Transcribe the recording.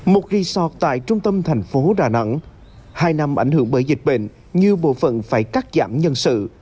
một resort tại trung tâm thành phố đà nẵng hai năm ảnh hưởng bởi dịch bệnh như bộ phận phải cắt giảm nhân sự